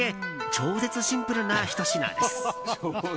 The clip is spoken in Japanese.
超絶シンプルなひと品です。